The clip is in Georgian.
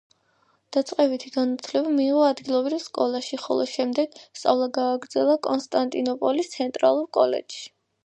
დაწყებითი განათლება მიიღო ადგილობრივ სკოლაში, ხოლო შემდეგ სწავლა გააგრძელა კონსტანტინოპოლის ცენტრალურ კოლეჯში.